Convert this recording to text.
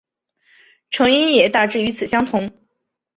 成因也大致与此相同。